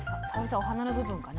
お花の部分かな？